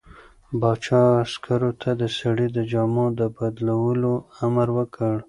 پاچا عسکرو ته د سړي د جامو د بدلولو امر وکړ.